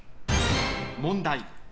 問題。